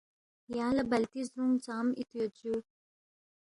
یانگ لا بلتی زدرونگ ژام ایتو یود جوو